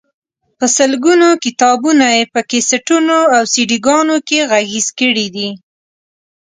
په سلګونو کتابونه یې په کیسټونو او سیډيګانو کې غږیز کړي دي.